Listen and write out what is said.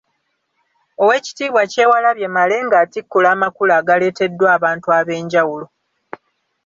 Oweekitiibwa Kyewalabye Male ng’atikkula amakula agaaleteddwa abantu ab'enjawulo.